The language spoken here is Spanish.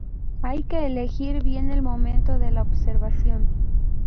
Hay que elegir bien el momento de la observación.